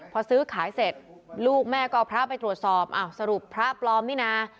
พอซื้อขายเสร็จลูกแม่ก็เอาพระไปตรวจสอบอ้าวสรุปพระปลอมนี่นะ